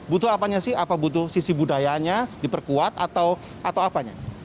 butuh apanya sih apa butuh sisi budayanya diperkuat atau apanya